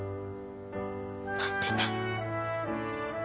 待ってた。